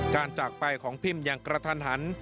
จากไปของพิมอย่างกระทันหัน